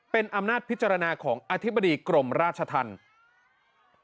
เป็นอำนาจพิจารณาของอธิบดีกรมราชธรรม